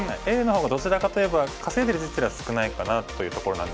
Ａの方がどちらかといえば稼いでる実利は少ないかなというところなんですが。